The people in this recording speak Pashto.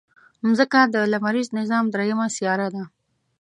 مځکه د لمریز نظام دریمه سیاره ده.